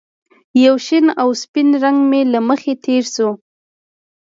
یو شین او سپین رنګ مې له مخې تېر شو